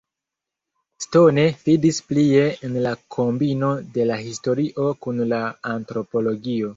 Stone fidis plie en la kombino de la historio kun la antropologio.